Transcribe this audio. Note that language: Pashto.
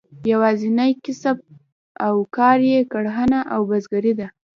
یوازینی کسب او کار یې کرهڼه او بزګري ده.